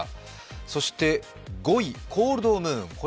そして５位、コールドムーン。